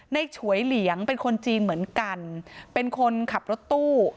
ฉวยเหลียงเป็นคนจีนเหมือนกันเป็นคนขับรถตู้